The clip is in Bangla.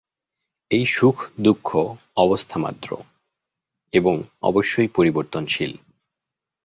এই সুখ-দুঃখ অবস্থা মাত্র, এবং অবশ্যই পরিবর্তনশীল।